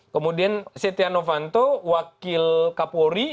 kemudian setia novanto wakil kapolri